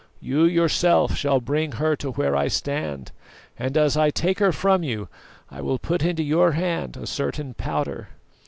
You yourself shall bring her to where I stand, and as I take her from you I will put into your hand a certain powder.